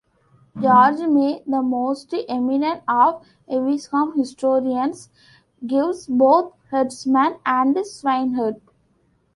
George May, the most eminent of Evesham historians, gives both herdsman and swineherd.